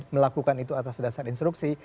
melakukan itu atas dasar instruksi